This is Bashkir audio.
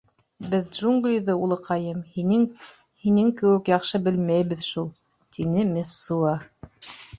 — Беҙ джунглиҙы, улыҡайым, һинең... һинең кеүек яҡшы белмәйбеҙ шул, — тине Мессуа.